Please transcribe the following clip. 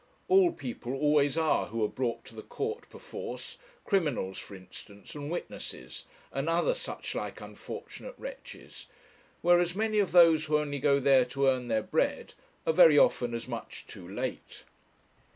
All people always are, who are brought to the court perforce, criminals for instance, and witnesses, and other such like unfortunate wretches; whereas many of those who only go there to earn their bread are very often as much too late.